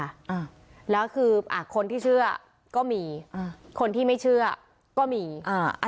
อ่าแล้วคืออ่าคนที่เชื่อก็มีอ่าคนที่ไม่เชื่อก็มีอ่า